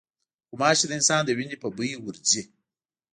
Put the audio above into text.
غوماشې د انسان د وینې په بوی ورځي.